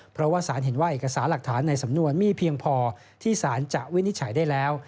เพราะว่าสารเห็นว่าเอกสารหลักฐานในสำนวนมีเพียงพอที่สารจะวินิจฉัยได้แล้ว